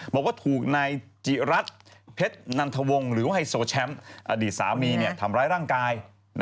บอกว่าถูกนายจิรัตน์เพชรนันทวงหรือว่าไฮโซแชมป์อดีตสามีทำร้ายร่างกาย